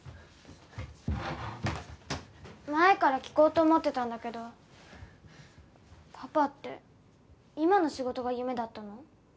前から聞こうと思ってたんだけどパパって今の仕事が夢だったの？